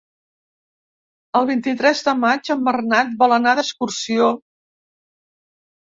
El vint-i-tres de maig en Bernat vol anar d'excursió.